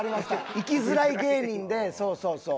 生きづらい芸人でそうそうそう。